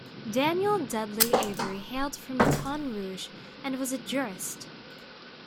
Daniel Dudley Avery hailed from Baton Rouge, and was a jurist.